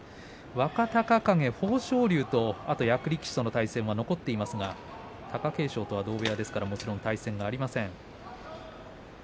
若隆景、豊昇龍と役力士の対戦が残っていますが貴景勝とは同部屋ですから対戦がありません。